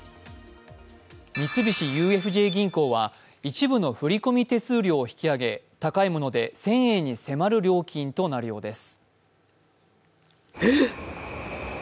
三菱ＵＦＪ銀行は一部の振込手数料を引き上げ高いもので１０００円に迫る料金となるようです。